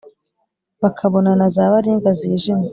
bakabona na za baringa zijimye